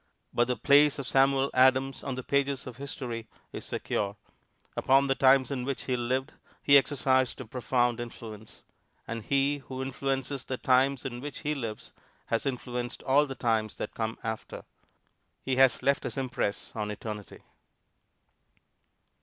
But the place of Samuel Adams on the pages of history is secure. Upon the times in which he lived he exercised a profound influence. And he who influences the times in which he lives has influenced all the times that come after; he has left his impress on eternity.